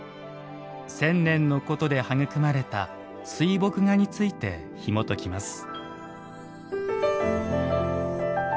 千年の古都で育まれた水墨画についてひもときます。